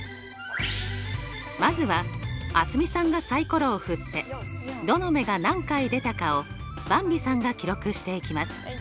まずは蒼澄さんがサイコロを振ってどの目が何回出たかをばんびさんが記録していきます。